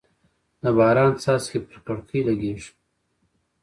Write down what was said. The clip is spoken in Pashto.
د باران څاڅکي پر کړکۍ لګېږي.